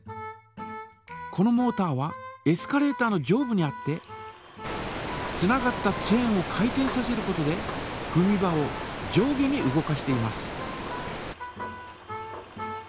このモータはエスカレータ−の上部にあってつながったチェーンを回転させることでふみ場を上下に動かしています。